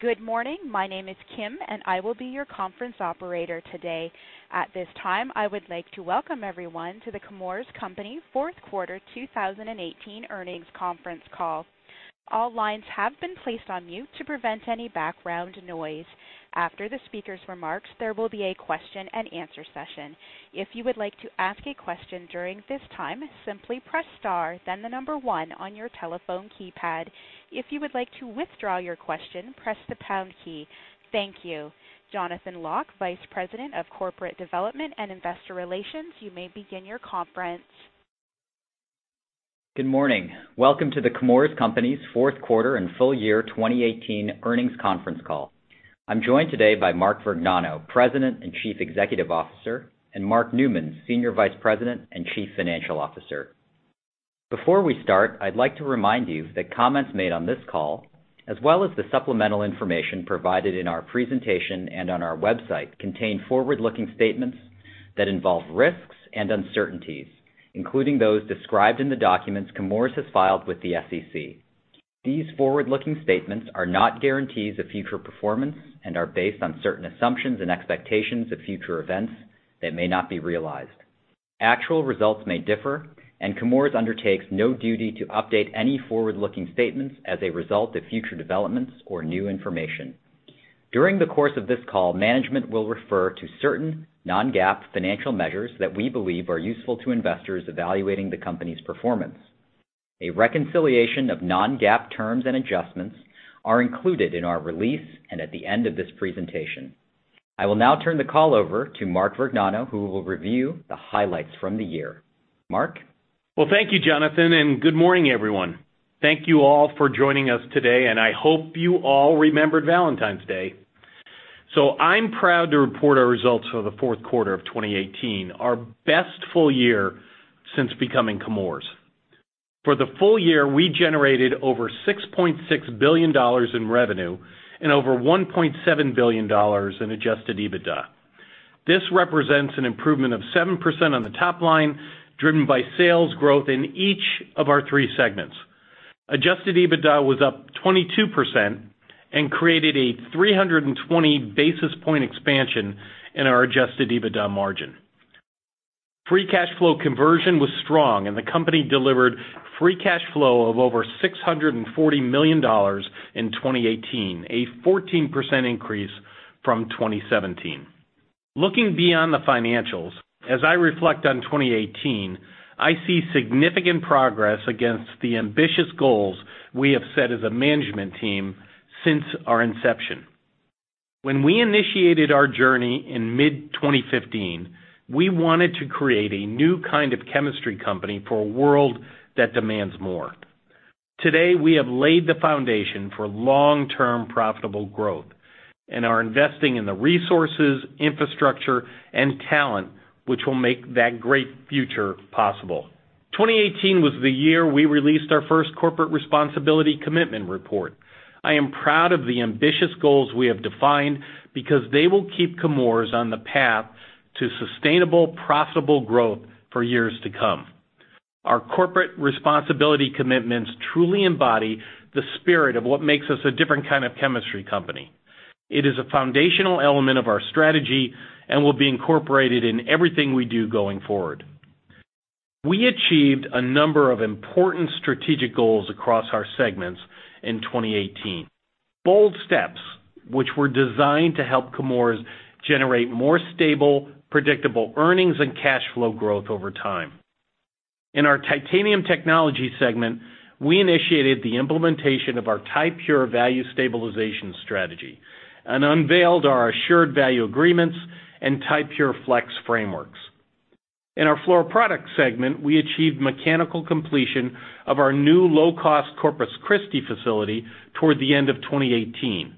Good morning. My name is Kim, and I will be your conference operator today. At this time, I would like to welcome everyone to The Chemours Company fourth quarter 2018 earnings conference call. All lines have been placed on mute to prevent any background noise. After the speaker's remarks, there will be a question and answer session. If you would like to ask a question during this time, simply press star, then the number one on your telephone keypad. If you would like to withdraw your question, press the pound key. Thank you. Jonathan Lock, Vice President of Corporate Development and Investor Relations, you may begin your conference. Good morning. Welcome to The Chemours Company's fourth quarter and full year 2018 earnings conference call. I'm joined today by Mark Vergnano, President and Chief Executive Officer, and Mark Newman, Senior Vice President and Chief Financial Officer. Before we start, I'd like to remind you that comments made on this call, as well as the supplemental information provided in our presentation and on our website, contain forward-looking statements that involve risks and uncertainties, including those described in the documents Chemours has filed with the SEC. These forward-looking statements are not guarantees of future performance and are based on certain assumptions and expectations of future events that may not be realized. Actual results may differ. Chemours undertakes no duty to update any forward-looking statements as a result of future developments or new information. During the course of this call, management will refer to certain non-GAAP financial measures that we believe are useful to investors evaluating the company's performance. A reconciliation of non-GAAP terms and adjustments are included in our release and at the end of this presentation. I will now turn the call over to Mark Vergnano, who will review the highlights from the year. Mark? Well, thank you, Jonathan, and good morning, everyone. Thank you all for joining us today, and I hope you all remembered Valentine's Day. I'm proud to report our results for the fourth quarter of 2018, our best full year since becoming Chemours. For the full year, we generated over $6.6 billion in revenue and over $1.7 billion in adjusted EBITDA. This represents an improvement of 7% on the top line, driven by sales growth in each of our three segments. Adjusted EBITDA was up 22% and created a 320 basis point expansion in our adjusted EBITDA margin. Free cash flow conversion was strong. The company delivered free cash flow of over $640 million in 2018, a 14% increase from 2017. Looking beyond the financials, as I reflect on 2018, I see significant progress against the ambitious goals we have set as a management team since our inception. When we initiated our journey in mid-2015, we wanted to create a new kind of chemistry company for a world that demands more. Today, we have laid the foundation for long-term profitable growth and are investing in the resources, infrastructure, and talent which will make that great future possible. 2018 was the year we released our first corporate responsibility commitment report. I am proud of the ambitious goals we have defined because they will keep Chemours on the path to sustainable, profitable growth for years to come. Our corporate responsibility commitments truly embody the spirit of what makes us a different kind of chemistry company. It is a foundational element of our strategy and will be incorporated in everything we do going forward. We achieved a number of important strategic goals across our segments in 2018. Bold steps, which were designed to help Chemours generate more stable, predictable earnings and cash flow growth over time. In our Titanium Technologies segment, we initiated the implementation of our Ti-Pure Value Stabilization Strategy and unveiled our Assured Value Agreements and Ti-Pure Flex frameworks. In our Fluoroproducts segment, we achieved mechanical completion of our new low-cost Corpus Christi facility toward the end of 2018,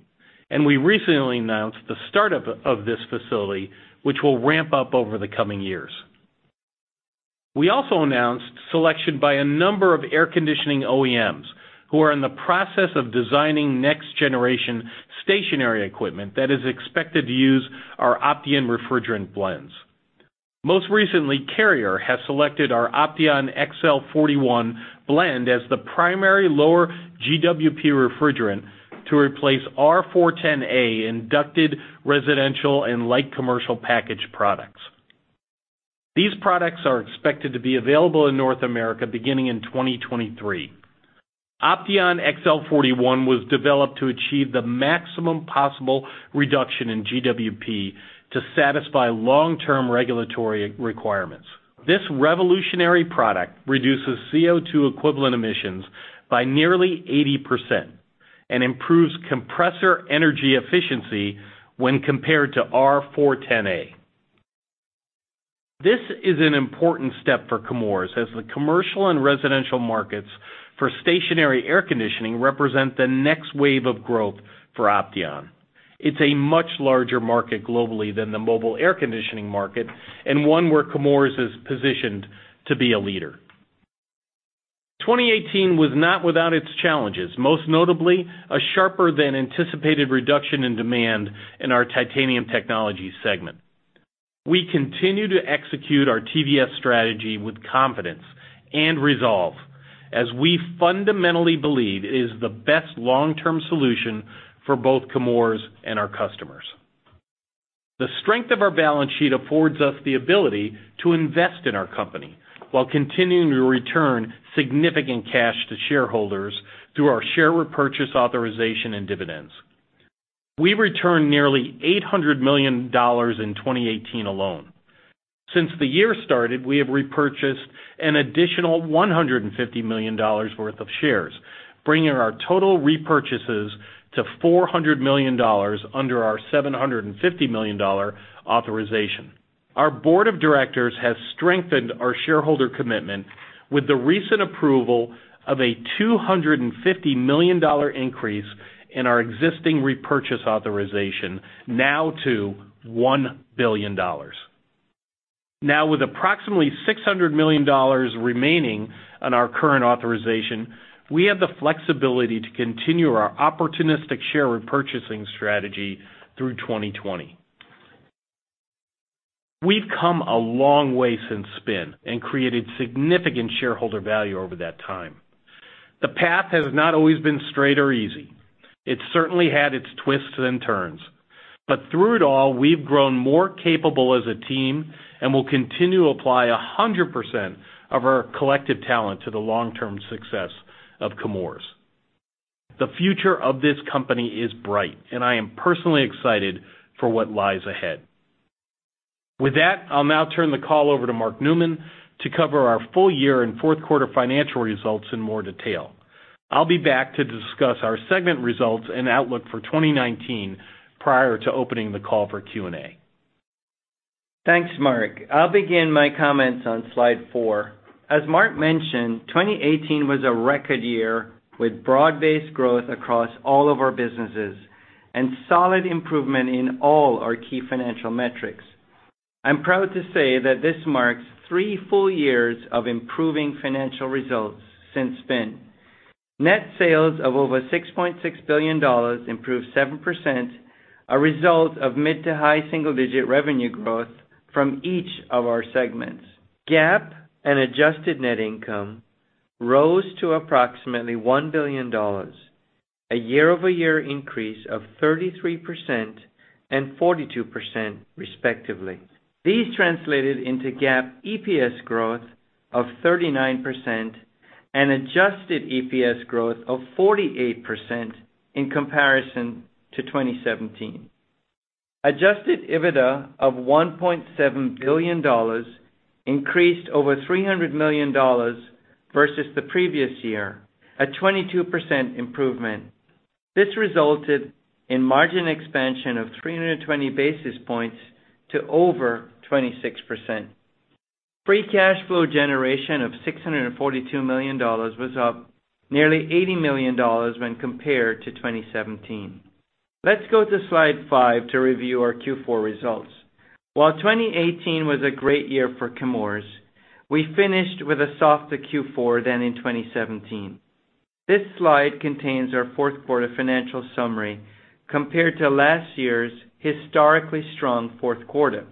and we recently announced the startup of this facility, which will ramp up over the coming years. We also announced selection by a number of air conditioning OEMs who are in the process of designing next generation stationary equipment that is expected to use our Opteon refrigerant blends. Most recently, Carrier has selected our Opteon XL41 blend as the primary lower GWP refrigerant to replace R-410A in ducted residential and light commercial packaged products. These products are expected to be available in North America beginning in 2023. Opteon XL41 was developed to achieve the maximum possible reduction in GWP to satisfy long-term regulatory requirements. This revolutionary product reduces CO2 equivalent emissions by nearly 80% and improves compressor energy efficiency when compared to R-410A. This is an important step for Chemours as the commercial and residential markets for stationary air conditioning represent the next wave of growth for Opteon. It's a much larger market globally than the mobile air conditioning market and one where Chemours is positioned to be a leader. 2018 was not without its challenges, most notably a sharper than anticipated reduction in demand in our Titanium Technologies segment. We continue to execute our TVS strategy with confidence and resolve, as we fundamentally believe it is the best long-term solution for both Chemours and our customers. The strength of our balance sheet affords us the ability to invest in our company while continuing to return significant cash to shareholders through our share repurchase authorization and dividends. We returned nearly $800 million in 2018 alone. Since the year started, we have repurchased an additional $150 million worth of shares, bringing our total repurchases to $400 million under our $750 million authorization. Our board of directors has strengthened our shareholder commitment with the recent approval of a $250 million increase in our existing repurchase authorization now to $1 billion. Now, with approximately $600 million remaining on our current authorization, we have the flexibility to continue our opportunistic share repurchasing strategy through 2020. We've come a long way since spin and created significant shareholder value over that time. The path has not always been straight or easy. It certainly had its twists and turns. Through it all, we've grown more capable as a team and will continue to apply 100% of our collective talent to the long-term success of Chemours. The future of this company is bright, and I am personally excited for what lies ahead. With that, I'll now turn the call over to Mark Newman to cover our full year and fourth quarter financial results in more detail. I'll be back to discuss our segment results and outlook for 2019 prior to opening the call for Q&A. Thanks, Mark. I'll begin my comments on slide four. As Mark mentioned, 2018 was a record year with broad-based growth across all of our businesses and solid improvement in all our key financial metrics. I'm proud to say that this marks three full years of improving financial results since spin. Net sales of over $6.6 billion improved 7%, a result of mid to high single-digit revenue growth from each of our segments. GAAP and adjusted net income rose to approximately $1 billion, a year-over-year increase of 33% and 42% respectively. These translated into GAAP EPS growth of 39% and adjusted EPS growth of 48% in comparison to 2017. Adjusted EBITDA of $1.7 billion increased over $300 million versus the previous year, a 22% improvement. This resulted in margin expansion of 320 basis points to over 26%. Free cash flow generation of $642 million was up nearly $80 million when compared to 2017. Let's go to slide five to review our Q4 results. While 2018 was a great year for Chemours, we finished with a softer Q4 than in 2017. This slide contains our fourth quarter financial summary compared to last year's historically strong fourth quarter.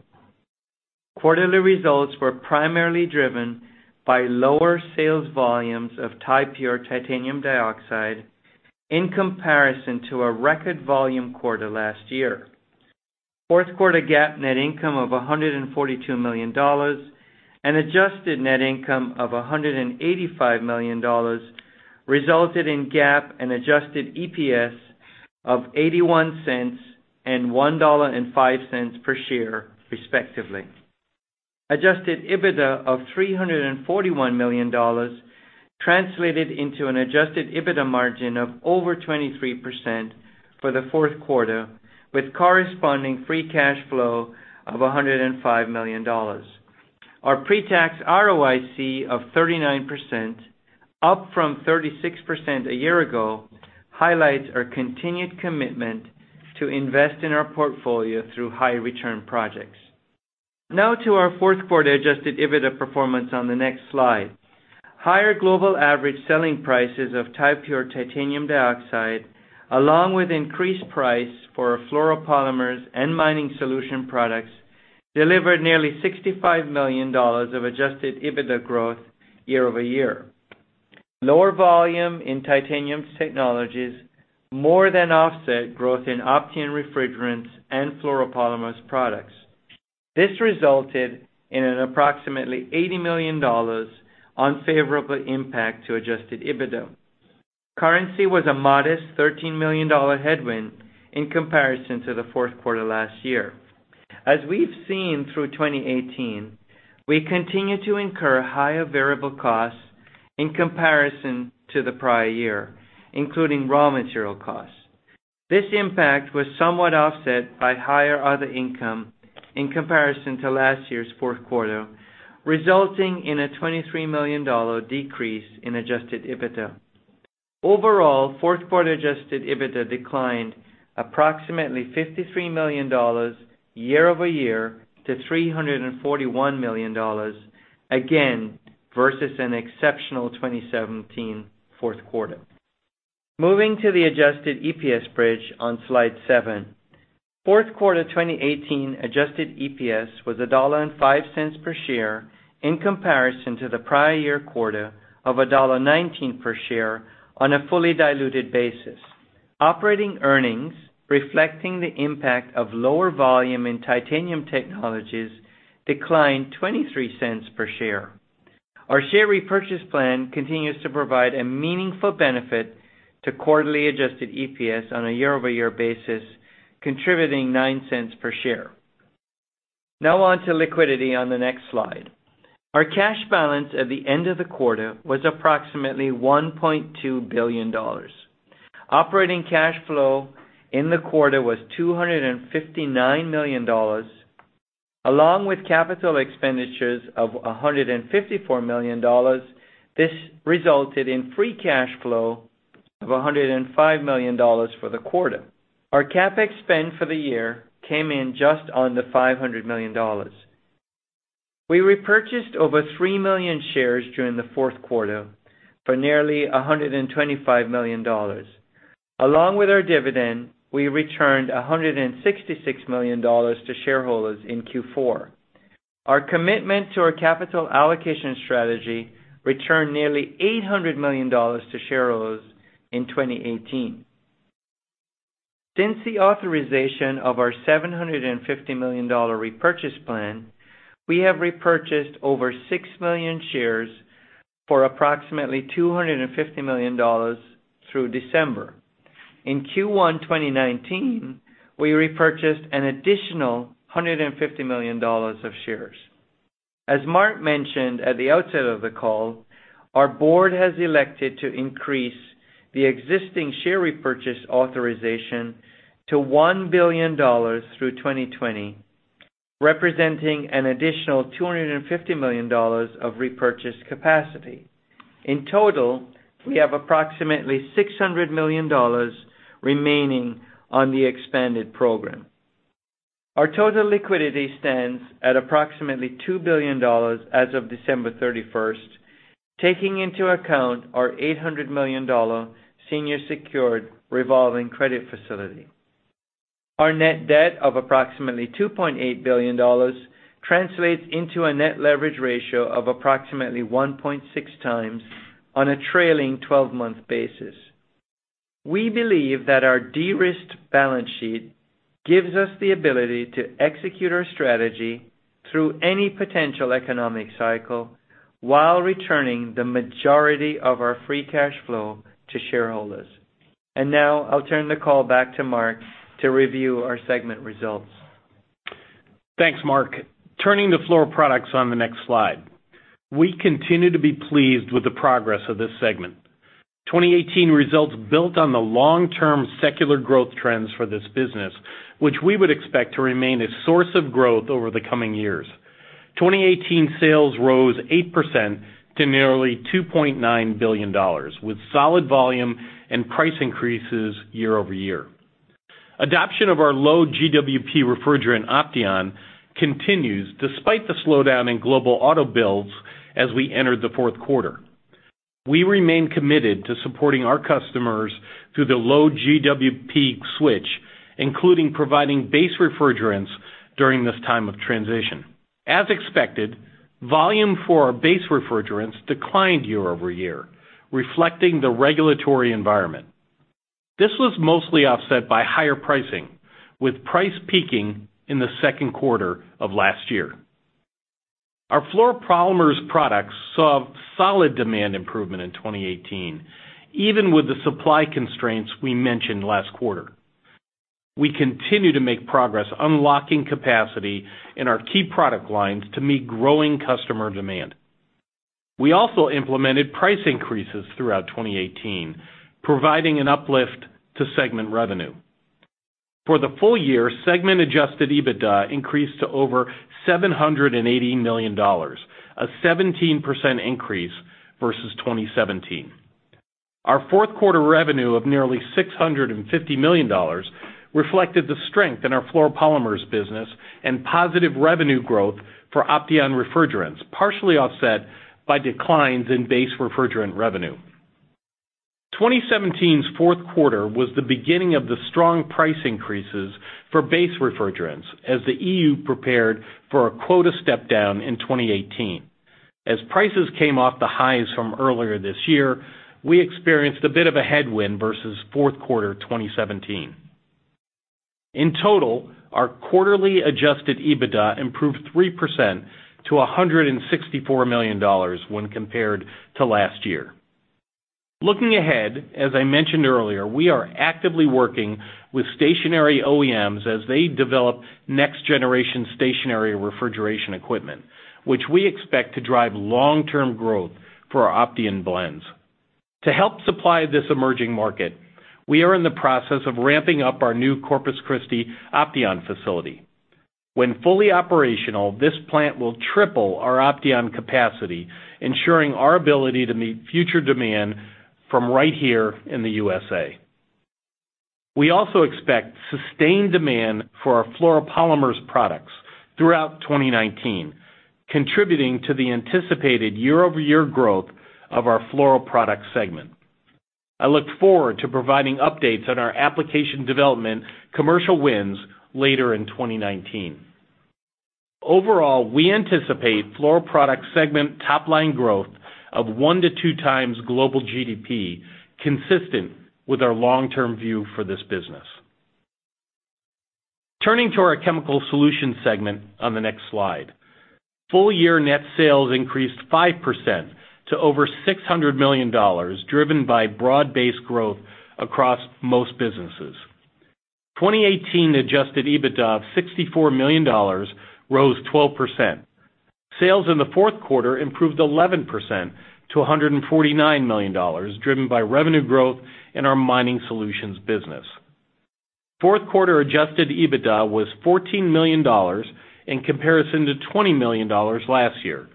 Quarterly results were primarily driven by lower sales volumes of Ti-Pure titanium dioxide in comparison to a record volume quarter last year. Fourth quarter GAAP net income of $142 million and adjusted net income of $185 million resulted in GAAP and adjusted EPS of $0.81 and $1.05 per share, respectively. Adjusted EBITDA of $341 million translated into an adjusted EBITDA margin of over 23% for the fourth quarter, with corresponding free cash flow of $105 million. Our pre-tax ROIC of 39%, up from 36% a year ago, highlights our continued commitment to invest in our portfolio through high return projects. Now to our fourth quarter adjusted EBITDA performance on the next slide. Higher global average selling prices of Ti-Pure titanium dioxide, along with increased price for our fluoropolymers and mining solution products, delivered nearly $65 million of adjusted EBITDA growth year-over-year. Lower volume in Titanium Technologies more than offset growth in Opteon refrigerants and fluoropolymers products. This resulted in an approximately $80 million unfavorable impact to adjusted EBITDA. Currency was a modest $13 million headwind in comparison to the fourth quarter last year. As we've seen through 2018, we continue to incur higher variable costs in comparison to the prior year, including raw material costs. This impact was somewhat offset by higher other income in comparison to last year's fourth quarter, resulting in a $23 million decrease in adjusted EBITDA. Overall, fourth quarter adjusted EBITDA declined approximately $53 million year-over-year to $341 million, again, versus an exceptional 2017 fourth quarter. To the adjusted EPS bridge on Slide seven. Fourth quarter 2018 adjusted EPS was $1.05 per share in comparison to the prior year quarter of $1.19 per share on a fully diluted basis. Operating earnings, reflecting the impact of lower volume in Titanium Technologies, declined $0.23 per share. Our share repurchase plan continues to provide a meaningful benefit to quarterly adjusted EPS on a year-over-year basis, contributing $0.09 per share. On to liquidity on the next slide. Our cash balance at the end of the quarter was approximately $1.2 billion. Operating cash flow in the quarter was $259 million, along with capital expenditures of $154 million. This resulted in free cash flow of $105 million for the quarter. Our CapEx spend for the year came in just under $500 million. We repurchased over 3 million shares during the fourth quarter for nearly $125 million. Along with our dividend, we returned $166 million to shareholders in Q4. Our commitment to our capital allocation strategy returned nearly $800 million to shareholders in 2018. Since the authorization of our $750 million repurchase plan, we have repurchased over 6 million shares for approximately $250 million through December. In Q1 2019, we repurchased an additional $150 million of shares. As Mark mentioned at the outset of the call, our board has elected to increase the existing share repurchase authorization to $1 billion through 2020, representing an additional $250 million of repurchase capacity. In total, we have approximately $600 million remaining on the expanded program. Our total liquidity stands at approximately $2 billion as of December 31st, taking into account our $800 million senior secured revolving credit facility. Our net debt of approximately $2.8 billion translates into a net leverage ratio of approximately 1.6 times on a trailing 12-month basis. We believe that our de-risked balance sheet gives us the ability to execute our strategy through any potential economic cycle while returning the majority of our free cash flow to shareholders. Now I'll turn the call back to Mark to review our segment results. Thanks, Mark. Turning to Fluoroproducts on the next slide. We continue to be pleased with the progress of this segment. 2018 results built on the long-term secular growth trends for this business, which we would expect to remain a source of growth over the coming years. 2018 sales rose 8% to nearly $2.9 billion, with solid volume and price increases year-over-year. Adoption of our low GWP refrigerant Opteon continues despite the slowdown in global auto builds as we entered the fourth quarter. We remain committed to supporting our customers through the low GWP switch, including providing base refrigerants during this time of transition. As expected, volume for our base refrigerants declined year-over-year, reflecting the regulatory environment. This was mostly offset by higher pricing, with price peaking in the second quarter of last year. Our fluoropolymers products saw solid demand improvement in 2018, even with the supply constraints we mentioned last quarter. We continue to make progress unlocking capacity in our key product lines to meet growing customer demand. We also implemented price increases throughout 2018, providing an uplift to segment revenue. For the full year, segment adjusted EBITDA increased to over $780 million, a 17% increase versus 2017. Our fourth quarter revenue of nearly $650 million reflected the strength in our fluoropolymers business and positive revenue growth for Opteon refrigerants, partially offset by declines in base refrigerant revenue. 2017's fourth quarter was the beginning of the strong price increases for base refrigerants as the EU prepared for a quota step down in 2018. As prices came off the highs from earlier this year, we experienced a bit of a headwind versus fourth quarter 2017. In total, our quarterly adjusted EBITDA improved 3% to $164 million when compared to last year. Looking ahead, as I mentioned earlier, we are actively working with stationary OEMs as they develop next generation stationary refrigeration equipment, which we expect to drive long-term growth for our Opteon blends. To help supply this emerging market, we are in the process of ramping up our new Corpus Christi Opteon facility. When fully operational, this plant will triple our Opteon capacity, ensuring our ability to meet future demand from right here in the U.S. We also expect sustained demand for our fluoropolymers products throughout 2019, contributing to the anticipated year-over-year growth of our Fluoroproduct segment. I look forward to providing updates on our application development commercial wins later in 2019. Overall, we anticipate Fluoroproducts segment top line growth of one to two times global GDP consistent with our long-term view for this business. Turning to our Chemical Solutions segment on the next slide. Full year net sales increased 5% to over $600 million, driven by broad-based growth across most businesses. 2018 adjusted EBITDA of $64 million rose 12%. Sales in the fourth quarter improved 11% to $149 million, driven by revenue growth in our Mining Solutions business. Fourth quarter adjusted EBITDA was $14 million in comparison to $20 million last year.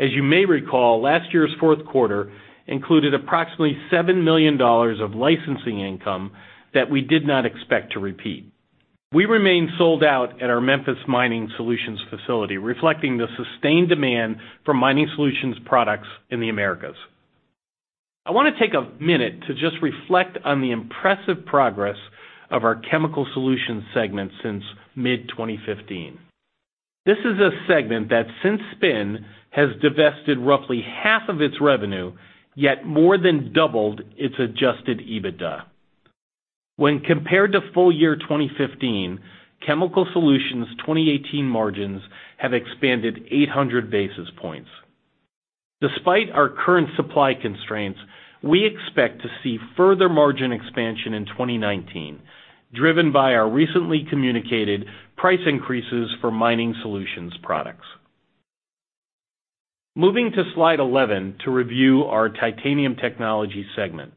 As you may recall, last year's fourth quarter included approximately $7 million of licensing income that we did not expect to repeat. We remain sold out at our Memphis Mining Solutions facility, reflecting the sustained demand for Mining Solutions products in the Americas. I want to take a minute to just reflect on the impressive progress of our Chemical Solutions segment since mid-2015. This is a segment that, since spin, has divested roughly half of its revenue, yet more than doubled its adjusted EBITDA. When compared to full year 2015, Chemical Solutions 2018 margins have expanded 800 basis points. Despite our current supply constraints, we expect to see further margin expansion in 2019, driven by our recently communicated price increases for Mining Solutions products. Moving to slide 11 to review our Titanium Technologies segment.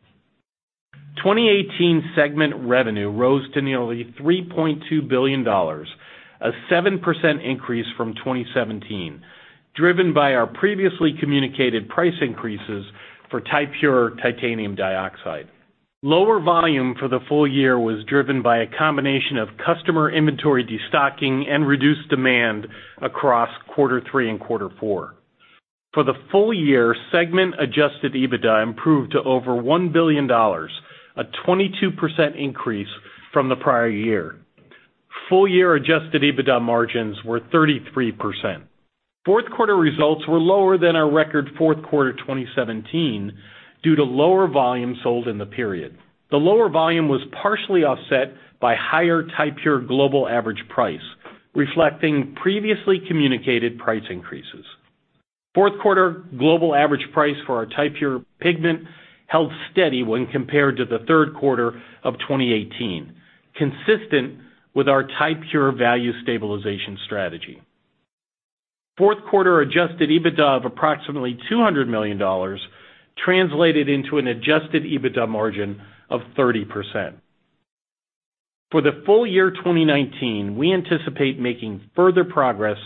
2018 segment revenue rose to nearly $3.2 billion, a 7% increase from 2017, driven by our previously communicated price increases for Ti-Pure titanium dioxide. Lower volume for the full year was driven by a combination of customer inventory destocking and reduced demand across quarter three and quarter four. For the full year, segment-adjusted EBITDA improved to over $1 billion, a 22% increase from the prior year. Full year adjusted EBITDA margins were 33%. Fourth quarter results were lower than our record fourth quarter 2017 due to lower volume sold in the period. The lower volume was partially offset by higher Ti-Pure global average price, reflecting previously communicated price increases. Fourth quarter global average price for our Ti-Pure pigment held steady when compared to the third quarter of 2018, consistent with our Ti-Pure value stabilization strategy. Fourth quarter adjusted EBITDA of approximately $200 million translated into an adjusted EBITDA margin of 30%. For the full year 2019, we anticipate making further progress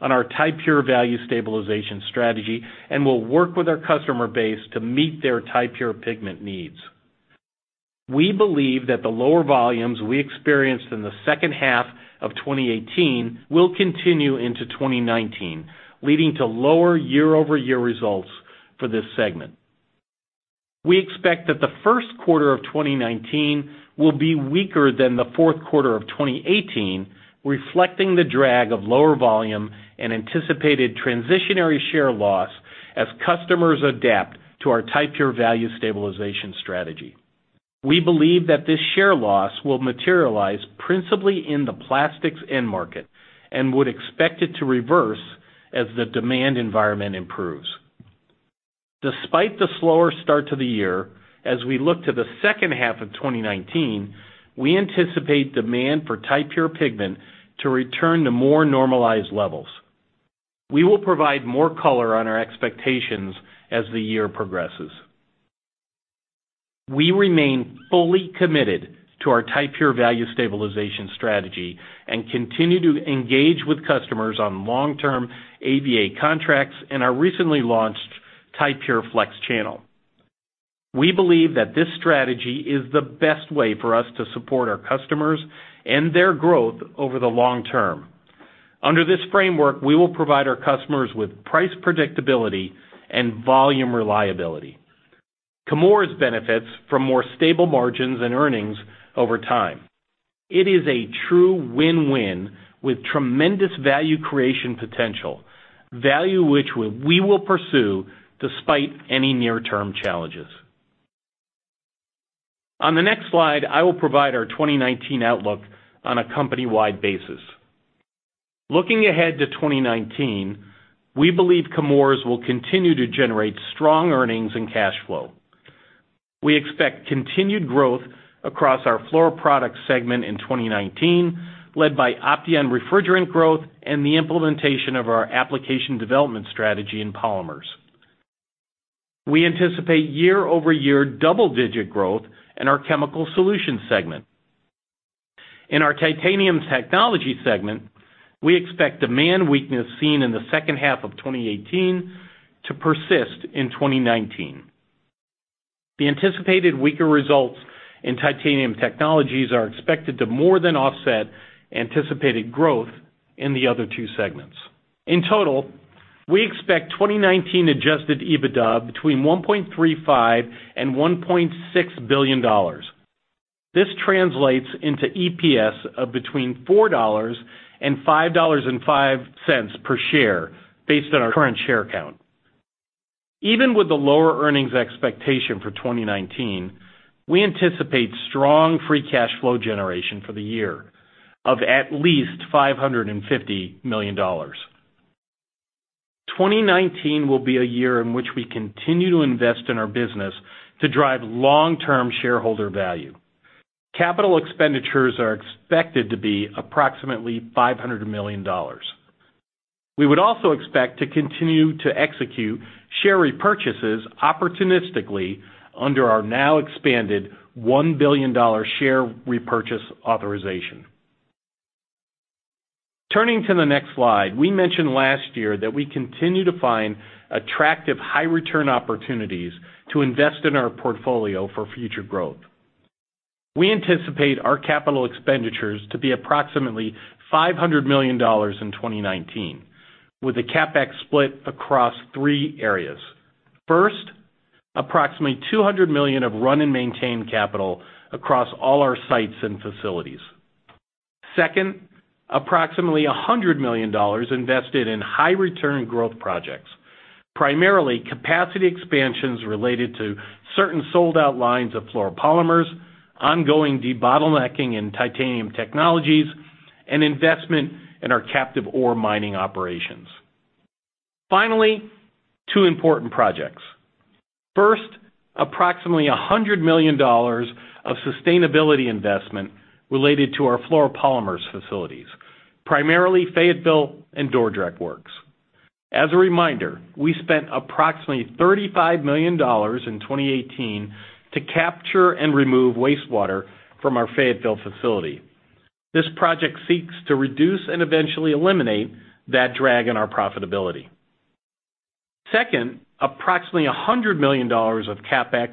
on our Ti-Pure value stabilization strategy and will work with our customer base to meet their Ti-Pure pigment needs. We believe that the lower volumes we experienced in the second half of 2018 will continue into 2019, leading to lower year-over-year results for this segment. We expect that the first quarter of 2019 will be weaker than the fourth quarter of 2018, reflecting the drag of lower volume and anticipated transitionary share loss as customers adapt to our Ti-Pure value stabilization strategy. We believe that this share loss will materialize principally in the plastics end market and would expect it to reverse as the demand environment improves. Despite the slower start to the year, as we look to the second half of 2019, we anticipate demand for Ti-Pure pigment to return to more normalized levels. We will provide more color on our expectations as the year progresses. We remain fully committed to our Ti-Pure value stabilization strategy and continue to engage with customers on long-term AVA contracts and our recently launched Ti-Pure Flex channel. We believe that this strategy is the best way for us to support our customers and their growth over the long term. Under this framework, we will provide our customers with price predictability and volume reliability. Chemours benefits from more stable margins and earnings over time. It is a true win-win with tremendous value creation potential, value which we will pursue despite any near-term challenges. On the next slide, I will provide our 2019 outlook on a company-wide basis. Looking ahead to 2019, we believe Chemours will continue to generate strong earnings and cash flow. We expect continued growth across our Fluoroproducts segment in 2019, led by Opteon refrigerant growth and the implementation of our application development strategy in polymers. We anticipate year-over-year double-digit growth in our Chemical Solutions segment. in our Titanium Technologies segment, we expect demand weakness seen in the second half of 2018 to persist in 2019. The anticipated weaker results in Titanium Technologies are expected to more than offset anticipated growth in the other two segments. In total, we expect 2019 adjusted EBITDA between $1.35 billion-$1.6 billion. This translates into EPS of between $4-$5.05 per share based on our current share count. Even with the lower earnings expectation for 2019, we anticipate strong free cash flow generation for the year of at least $550 million. 2019 will be a year in which we continue to invest in our business to drive long-term shareholder value. Capital expenditures are expected to be approximately $500 million. We would also expect to continue to execute share repurchases opportunistically under our now expanded $1 billion share repurchase authorization. Turning to the next slide, we mentioned last year that we continue to find attractive high-return opportunities to invest in our portfolio for future growth. We anticipate our capital expenditures to be approximately $500 million in 2019, with the CapEx split across three areas. First, approximately $200 million of run and maintain capital across all our sites and facilities. Second, approximately $100 million invested in high-return growth projects, primarily capacity expansions related to certain sold-out lines of fluoropolymers, ongoing debottlenecking in Titanium Technologies, and investment in our captive ore mining operations. Finally, two important projects. First, approximately $100 million of sustainability investment related to our fluoropolymers facilities, primarily Fayetteville and Dordrecht Works. As a reminder, we spent approximately $35 million in 2018 to capture and remove wastewater from our Fayetteville facility. This project seeks to reduce and eventually eliminate that drag on our profitability. Second, approximately $100 million of CapEx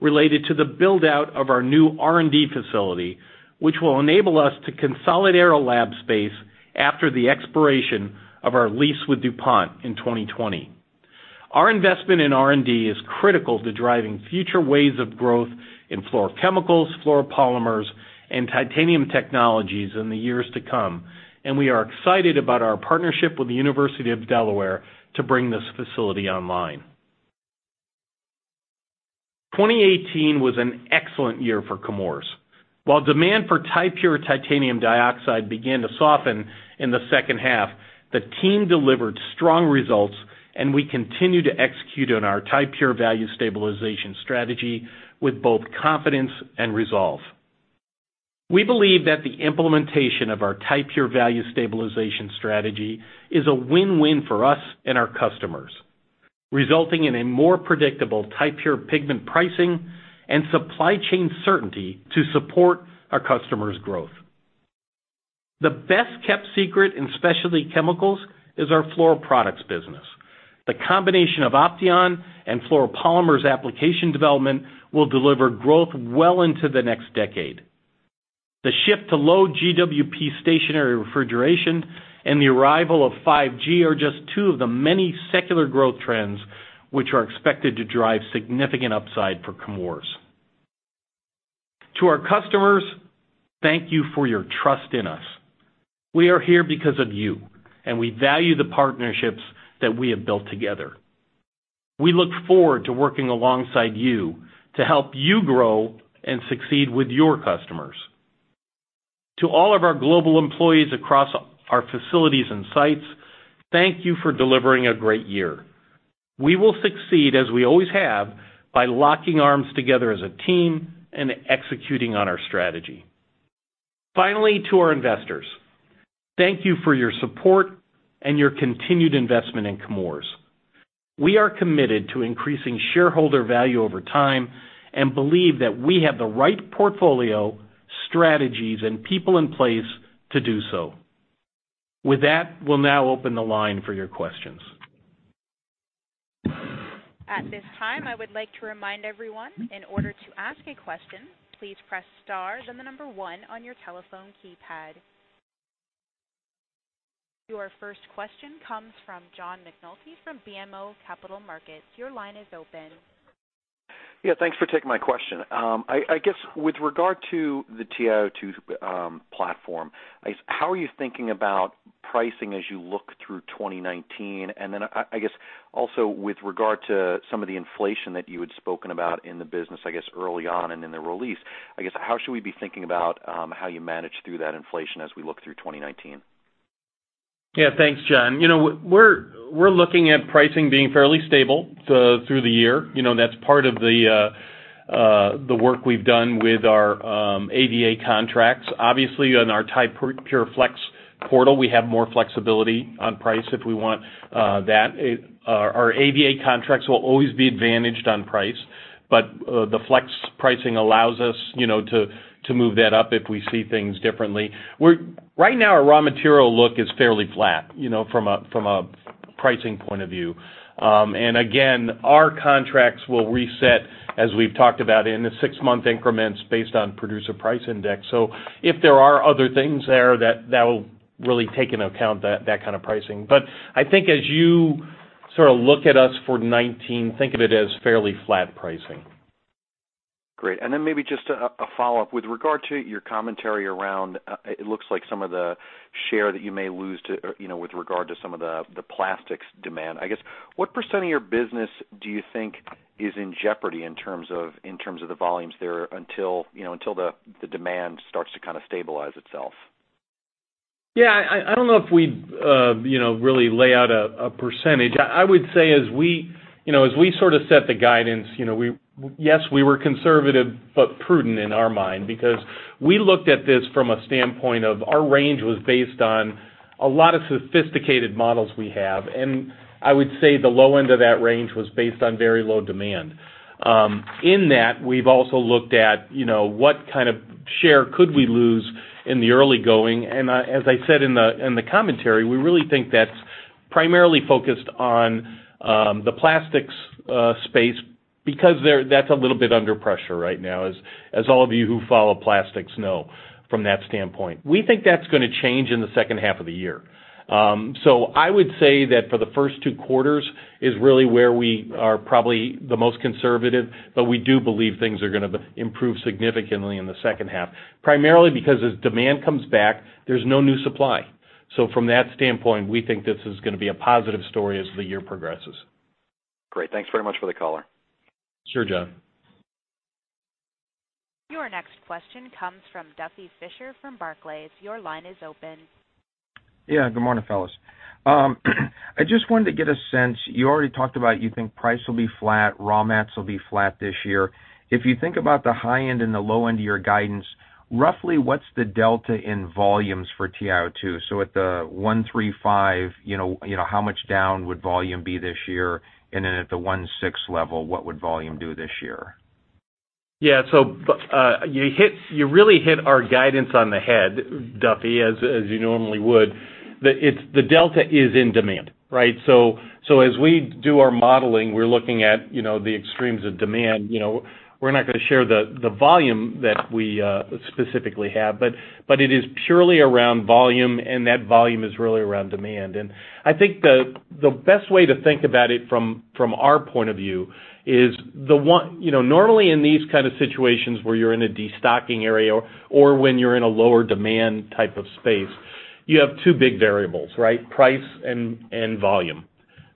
related to the build-out of our new R&D facility, which will enable us to consolidate our lab space after the expiration of our lease with DuPont in 2020. Our investment in R&D is critical to driving future waves of growth in fluorochemicals, fluoropolymers, and Titanium Technologies in the years to come. We are excited about our partnership with the University of Delaware to bring this facility online. 2018 was an excellent year for Chemours. While demand for Ti-Pure titanium dioxide began to soften in the second half, the team delivered strong results. We continue to execute on our Ti-Pure Value Stabilization strategy with both confidence and resolve. We believe that the implementation of our Ti-Pure Value Stabilization strategy is a win-win for us and our customers, resulting in a more predictable Ti-Pure pigment pricing and supply chain certainty to support our customers' growth. The best-kept secret in specialty chemicals is our Fluoroproducts business. The combination of Opteon and fluoropolymers application development will deliver growth well into the next decade. The shift to low GWP stationary refrigeration and the arrival of 5G are just two of the many secular growth trends which are expected to drive significant upside for Chemours. To our customers, thank you for your trust in us. We are here because of you. We value the partnerships that we have built together. We look forward to working alongside you to help you grow and succeed with your customers. To all of our global employees across our facilities and sites, thank you for delivering a great year. We will succeed, as we always have, by locking arms together as a team and executing on our strategy. Finally, to our investors, thank you for your support and your continued investment in Chemours. We are committed to increasing shareholder value over time. We believe that we have the right portfolio, strategies, and people in place to do so. With that, we'll now open the line for your questions. At this time, I would like to remind everyone, in order to ask a question, please press star, then the number one on your telephone keypad. Your first question comes from John McNulty from BMO Capital Markets. Your line is open. Yeah, thanks for taking my question. I guess with regard to the TiO2 platform, how are you thinking about pricing as you look through 2019? I guess also with regard to some of the inflation that you had spoken about in the business early on and in the release, how should we be thinking about how you manage through that inflation as we look through 2019? Yeah, thanks, John. We're looking at pricing being fairly stable through the year. That's part of the work we've done with our AVA contracts. Obviously, on our Ti-Pure Flex portal, we have more flexibility on price if we want that. Our AVA contracts will always be advantaged on price. The flex pricing allows us to move that up if we see things differently. Right now, our raw material look is fairly flat from a pricing point of view. Our contracts will reset, as we've talked about, in the six-month increments based on Producer Price Index. If there are other things there, that'll really take into account that kind of pricing. I think as you sort of look at us for 2019, think of it as fairly flat pricing. Great. Maybe just a follow-up. With regard to your commentary around, it looks like some of the share that you may lose with regard to some of the plastics demand. I guess, what % of your business do you think is in jeopardy in terms of the volumes there until the demand starts to stabilize itself? Yeah. I don't know if we'd really lay out a percentage. I would say as we sort of set the guidance, yes, we were conservative, but prudent in our mind, because we looked at this from a standpoint of our range was based on a lot of sophisticated models we have. I would say the low end of that range was based on very low demand. In that, we've also looked at what kind of share could we lose in the early going. As I said in the commentary, we really think that's primarily focused on the plastics space because that's a little bit under pressure right now, as all of you who follow plastics know from that standpoint. We think that's going to change in the second half of the year. I would say that for the first two quarters is really where we are probably the most conservative, but we do believe things are going to improve significantly in the second half. Primarily because as demand comes back, there's no new supply. From that standpoint, we think this is going to be a positive story as the year progresses. Great. Thanks very much for the color. Sure, John. Your next question comes from Duffy Fischer from Barclays. Your line is open. Yeah. Good morning, fellas. I just wanted to get a sense. You already talked about you think price will be flat, raw mats will be flat this year. If you think about the high end and the low end of your guidance, roughly what's the delta in volumes for TiO2? At the 135, how much down would volume be this year? At the 16 level, what would volume do this year? Yeah. You really hit our guidance on the head, Duffy, as you normally would. The delta is in demand, right? As we do our modeling, we're looking at the extremes of demand. We're not going to share the volume that we specifically have, but it is purely around volume, and that volume is really around demand. I think the best way to think about it from our point of view is normally in these kind of situations where you're in a destocking area or when you're in a lower demand type of space, you have two big variables, right? Price and volume.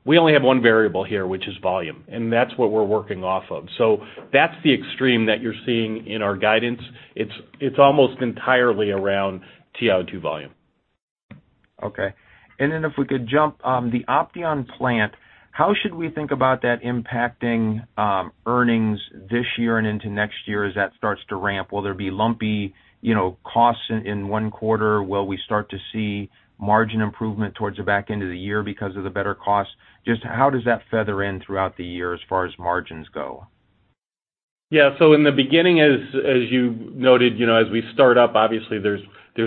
We only have one variable here, which is volume, and that's what we're working off of. That's the extreme that you're seeing in our guidance. It's almost entirely around TiO2 volume. Okay. If we could jump on the Opteon plant, how should we think about that impacting earnings this year and into next year as that starts to ramp? Will there be lumpy costs in one quarter? Will we start to see margin improvement towards the back end of the year because of the better cost? Just how does that feather in throughout the year as far as margins go? Yeah. In the beginning, as you noted, as we start up, obviously, there's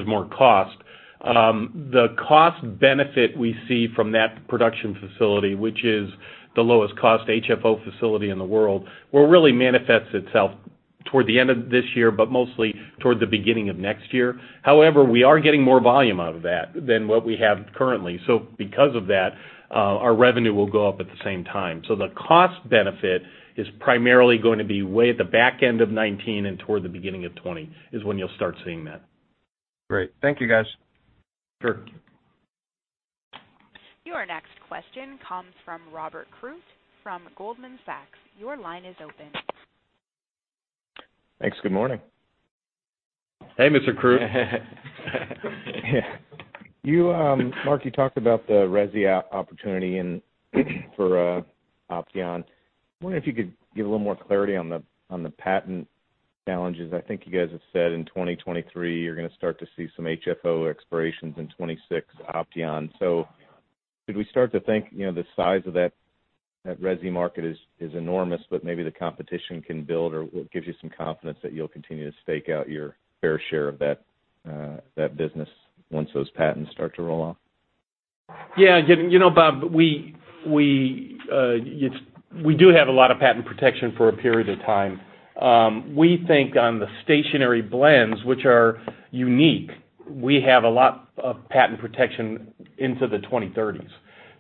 more cost. The cost benefit we see from that production facility, which is the lowest cost HFO facility in the world, will really manifest itself toward the end of this year, but mostly toward the beginning of next year. However, we are getting more volume out of that than what we have currently. Because of that our revenue will go up at the same time. The cost benefit is primarily going to be way at the back end of 2019 and toward the beginning of 2020 is when you'll start seeing that. Great. Thank you, guys. Sure. Your next question comes from Robert Koort from Goldman Sachs. Your line is open. Thanks. Good morning. Hey, Mr. Koort. Mark, you talked about the resi opportunity for Opteon. I wonder if you could give a little more clarity on the patent challenges. I think you guys have said in 2023, you're going to start to see some HFO expirations in 2026 Opteon. Should we start to think the size of that resi market is enormous, but maybe the competition can build, or what gives you some confidence that you'll continue to stake out your fair share of that business once those patents start to roll off? Bob, we do have a lot of patent protection for a period of time. We think on the stationary blends, which are unique, we have a lot of patent protection into the 2030s.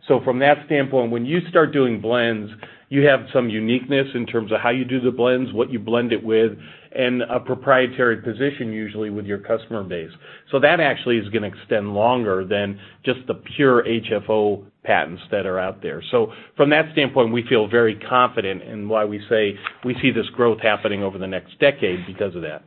From that standpoint, when you start doing blends, you have some uniqueness in terms of how you do the blends, what you blend it with, and a proprietary position usually with your customer base. That actually is going to extend longer than just the pure HFO patents that are out there. From that standpoint, we feel very confident in why we say we see this growth happening over the next decade because of that.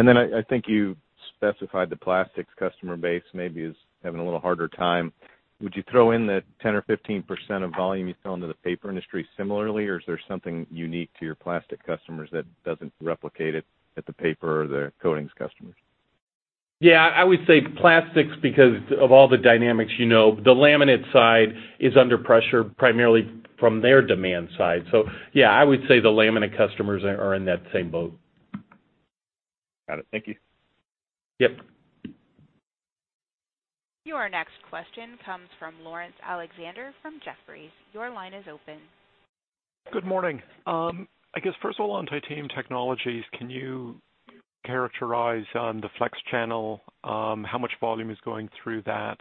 I think you specified the plastics customer base maybe is having a little harder time. Would you throw in the 10% or 15% of volume you sell into the paper industry similarly, or is there something unique to your plastic customers that doesn't replicate it at the paper or the coatings customers? I would say plastics because of all the dynamics. The laminate side is under pressure primarily from their demand side. I would say the laminate customers are in that same boat. Got it. Thank you. Yep. Your next question comes from Laurence Alexander from Jefferies. Your line is open. Good morning. I guess first of all, on Titanium Technologies, can you characterize on the flex channel, how much volume is going through that?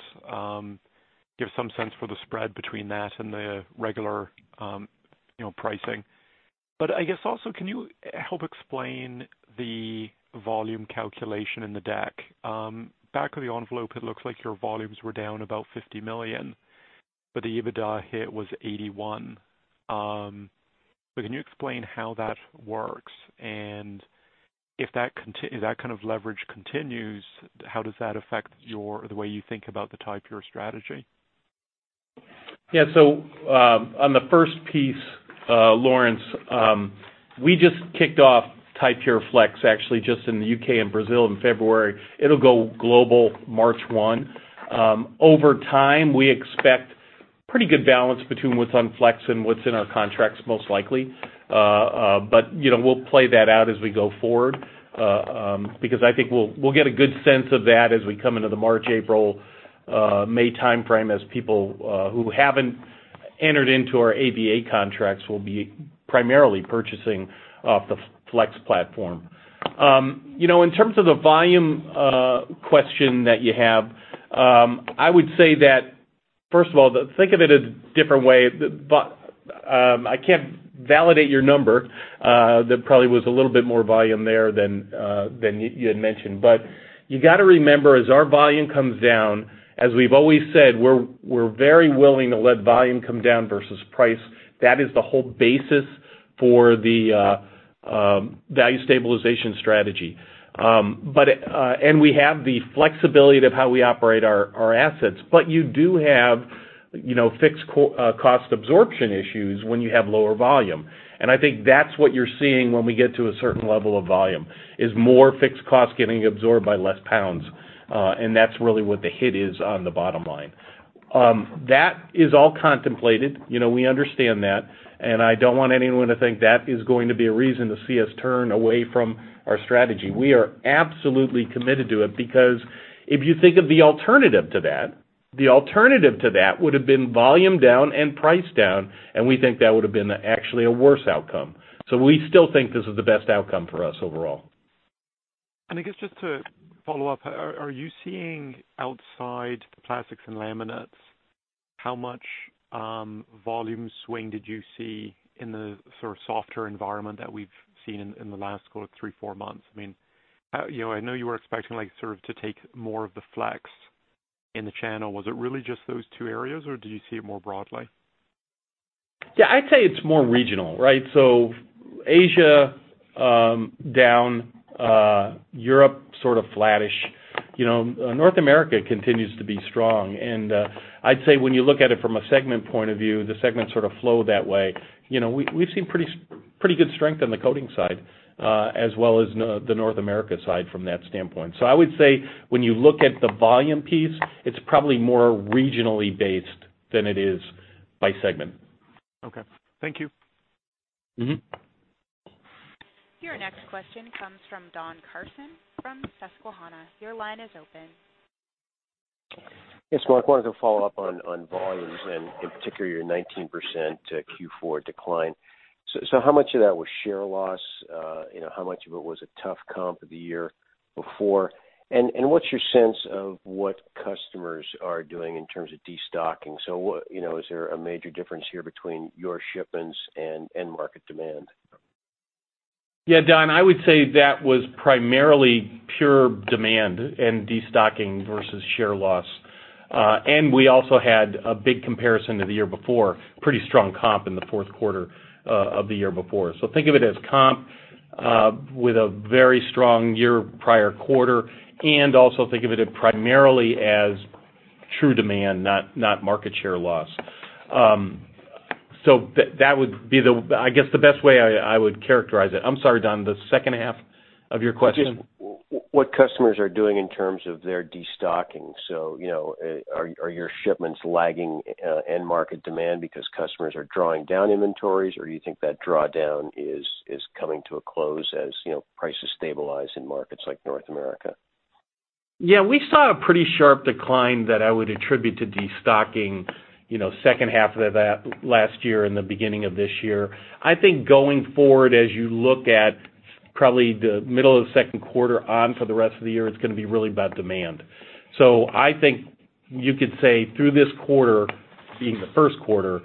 Give some sense for the spread between that and the regular pricing. I guess also, can you help explain the volume calculation in the deck? Back of the envelope, it looks like your volumes were down about $50 million, but the EBITDA hit was $81. Can you explain how that works? And if that kind of leverage continues, how does that affect the way you think about the Ti-Pure strategy? On the first piece, Laurence, we just kicked off Ti-Pure Flex, actually just in the U.K. and Brazil in February. It'll go global March 1. Over time, we expect pretty good balance between what's on Flex and what's in our contracts, most likely. We'll play that out as we go forward, because I think we'll get a good sense of that as we come into the March, April, May timeframe as people who haven't entered into our AVA contracts will be primarily purchasing off the Flex platform. In terms of the volume question that you have, I would say that, first of all, think of it a different way. I can't validate your number. There probably was a little bit more volume there than you had mentioned. You got to remember, as our volume comes down, as we've always said, we're very willing to let volume come down versus price. That is the whole basis for the Ti-Pure Value Stabilization strategy. We have the flexibility of how we operate our assets, but you do have fixed cost absorption issues when you have lower volume. I think that's what you're seeing when we get to a certain level of volume, is more fixed costs getting absorbed by less pounds. That's really what the hit is on the bottom line. That is all contemplated. We understand that. I don't want anyone to think that is going to be a reason to see us turn away from our strategy. We are absolutely committed to it because if you think of the alternative to that, the alternative to that would have been volume down and price down. We think that would have been actually a worse outcome. We still think this is the best outcome for us overall. I guess just to follow up, are you seeing outside the plastics and laminates, how much volume swing did you see in the sort of softer environment that we've seen in the last three, four months? I know you were expecting to take more of the Flex in the channel. Was it really just those two areas, or did you see it more broadly? Yeah, I'd say it's more regional, right? Asia down, Europe sort of flattish. North America continues to be strong. I'd say when you look at it from a segment point of view, the segments sort of flow that way. We've seen pretty good strength on the coating side as well as the North America side from that standpoint. I would say when you look at the volume piece, it's probably more regionally based than it is by segment. Okay. Thank you. Your next question comes from Don Carson from Susquehanna. Your line is open. Yes, Mark, wanted to follow up on volumes and in particular, your 19% Q4 decline. How much of that was share loss? How much of it was a tough comp the year before? What's your sense of what customers are doing in terms of destocking? Is there a major difference here between your shipments and end market demand? Don, I would say that was primarily pure demand and destocking versus share loss. We also had a big comparison to the year before. Pretty strong comp in the fourth quarter of the year before. Think of it as comp with a very strong year prior quarter, and also think of it primarily as true demand, not market share loss. That would be, I guess, the best way I would characterize it. I'm sorry, Don, the second half of your question? Just what customers are doing in terms of their destocking. Are your shipments lagging end market demand because customers are drawing down inventories, or do you think that drawdown is coming to a close as prices stabilize in markets like North America? Yeah, we saw a pretty sharp decline that I would attribute to destocking second half of last year and the beginning of this year. I think going forward, as you look at probably the middle of the second quarter on for the rest of the year, it's going to be really about demand. I think you could say through this quarter being the first quarter,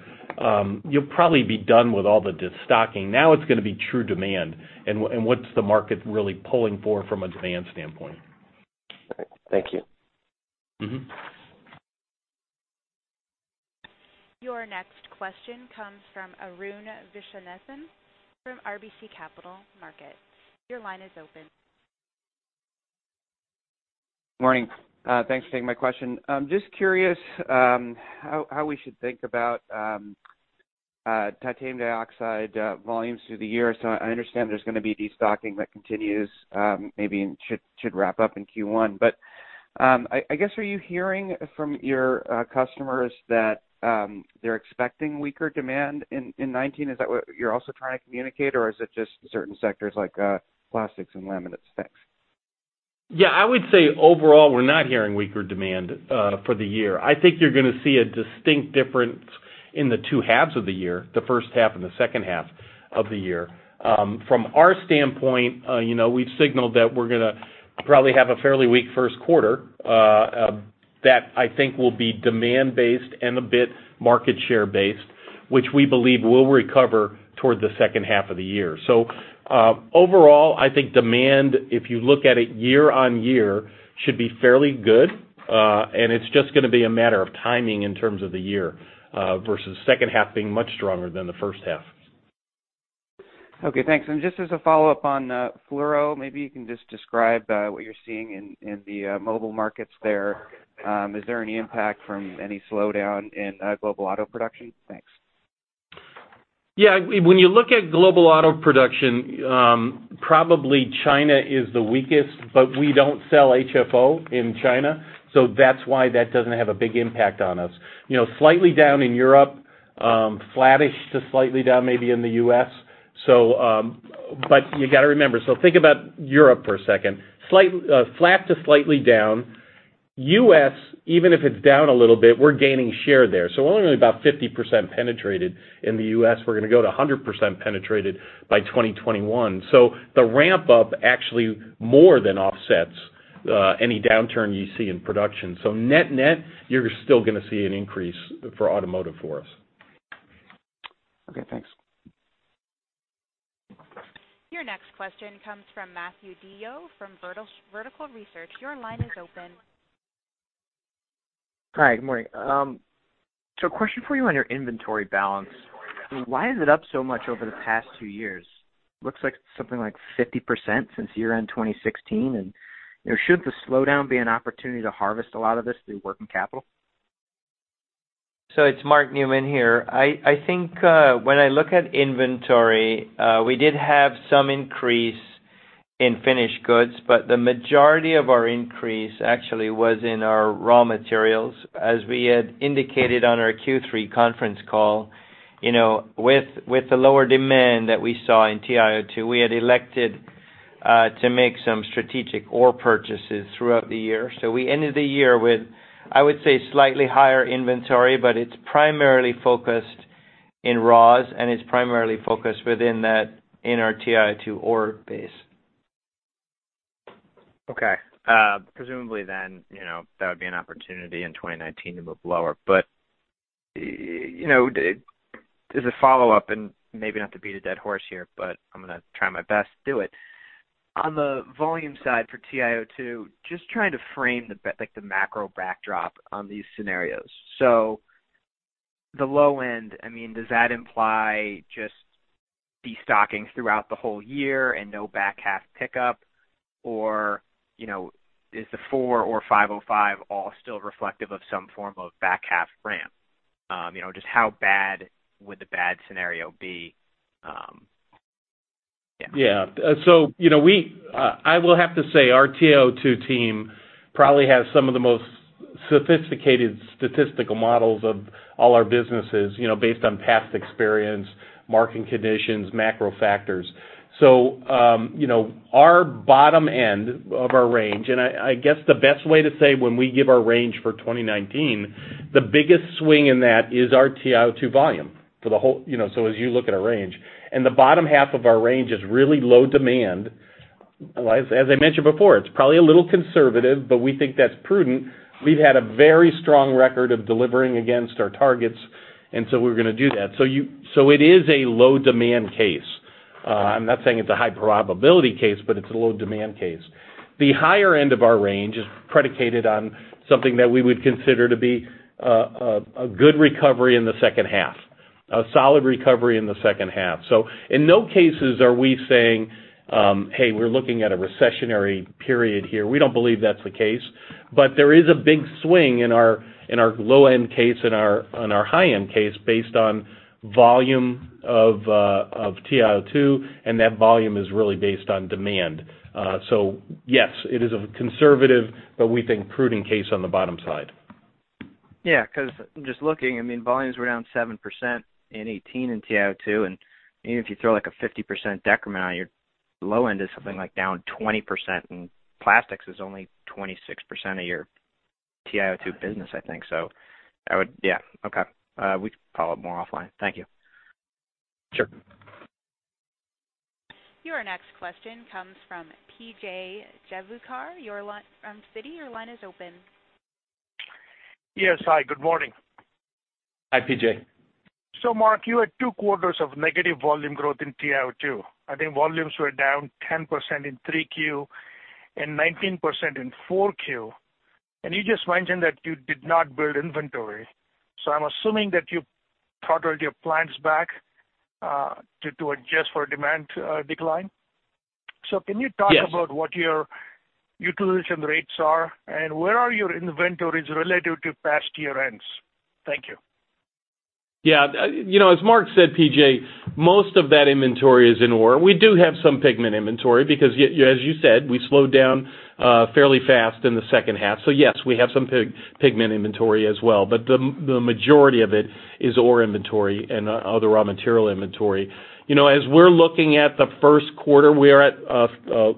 you'll probably be done with all the destocking. Now it's going to be true demand and what's the market really pulling for from a demand standpoint. All right. Thank you. Your next question comes from Arun Viswanathan from RBC Capital Markets. Your line is open. Morning. Thanks for taking my question. Just curious how we should think about titanium dioxide volumes through the year. I understand there's going to be de-stocking that continues, maybe should wrap up in Q1. I guess, are you hearing from your customers that they're expecting weaker demand in 2019? Is that what you're also trying to communicate? Is it just certain sectors like plastics and laminates? Thanks. Yeah, I would say overall, we're not hearing weaker demand for the year. I think you're going to see a distinct difference in the two halves of the year, the first half and the second half of the year. From our standpoint, we've signaled that we're going to probably have a fairly weak first quarter that I think will be demand-based and a bit market share-based, which we believe will recover towards the second half of the year. Overall, I think demand, if you look at it year-on-year, should be fairly good. It's just going to be a matter of timing in terms of the year versus second half being much stronger than the first half. Okay, thanks. Just as a follow-up on fluoro, maybe you can just describe what you're seeing in the mobile markets there. Is there any impact from any slowdown in global auto production? Thanks. When you look at global auto production, probably China is the weakest, but we don't sell HFO in China, that's why that doesn't have a big impact on us. Slightly down in Europe, flattish to slightly down maybe in the U.S. You got to remember. Think about Europe for a second. Flat to slightly down. U.S., even if it's down a little bit, we're gaining share there. We're only about 50% penetrated in the U.S. We're going to go to 100% penetrated by 2021. The ramp up actually more than offsets any downturn you see in production. Net-net, you're still going to see an increase for automotive for us. Okay, thanks. Your next question comes from Matthew DiO from Vertical Research. Your line is open. Hi, good morning. A question for you on your inventory balance. Why is it up so much over the past two years? Looks like something like 50% since year-end 2016, shouldn't the slowdown be an opportunity to harvest a lot of this through working capital? It's Mark Newman here. I think when I look at inventory, we did have some increase in finished goods, but the majority of our increase actually was in our raw materials. As we had indicated on our Q3 conference call, with the lower demand that we saw in TiO2, we had elected to make some strategic ore purchases throughout the year. We ended the year with, I would say, slightly higher inventory, but it's primarily focused in raws and it's primarily focused within that in our TiO2 ore base. Okay. Presumably, that would be an opportunity in 2019 to move lower. As a follow-up, and maybe not to beat a dead horse here, I'm going to try my best to do it. On the volume side for TiO2, just trying to frame the macro backdrop on these scenarios. The low end, does that imply just de-stocking throughout the whole year and no back half pickup? Or is the four or 505 all still reflective of some form of back half ramp? Just how bad would the bad scenario be? Yeah. Yeah. I will have to say our TiO2 team probably has some of the most sophisticated statistical models of all our businesses based on past experience, market conditions, macro factors. Our bottom end of our range, and I guess the best way to say when we give our range for 2019, the biggest swing in that is our TiO2 volume. As you look at our range. The bottom half of our range is really low demand. As I mentioned before, it's probably a little conservative, but we think that's prudent. We've had a very strong record of delivering against our targets, we're going to do that. It is a low-demand case. I'm not saying it's a high probability case, but it's a low-demand case. The higher end of our range is predicated on something that we would consider to be a good recovery in the second half, a solid recovery in the second half. In no cases are we saying, "Hey, we're looking at a recessionary period here." We don't believe that's the case. There is a big swing in our low-end case and our high-end case based on volume of TiO2, and that volume is really based on demand. Yes, it is a conservative, but we think prudent case on the bottom side. Yeah, because just looking, volumes were down 7% in 2018 in TiO2, and even if you throw like a 50% decrement on your low end is something like down 20%, and plastics is only 26% of your TiO2 business, I think. Yeah. Okay. We can follow up more offline. Thank you. Sure. Your next question comes from P.J. Juvekar from Citi. Your line is open. Yes. Hi, good morning. Hi, P.J. Mark, you had two quarters of negative volume growth in TiO2. I think volumes were down 10% in 3Q and 19% in 4Q. You just mentioned that you did not build inventory. I'm assuming that you throttled your plants back to adjust for demand decline? Can you talk about what your utilization rates are, and where are your inventories relative to past year ends? Thank you. As Mark said, PJ, most of that inventory is in ore. We do have some pigment inventory because, as you said, we slowed down fairly fast in the second half. Yes, we have some pigment inventory as well. The majority of it is ore inventory and other raw material inventory. As we're looking at the first quarter, we are at